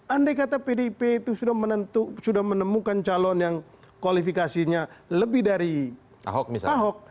andai kata pdip itu sudah menemukan calon yang kualifikasinya lebih dari ahok